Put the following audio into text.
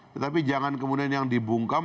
tetapi jangan kemudian yang dibungkam